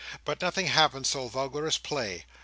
But nothing happened so vulgar as play.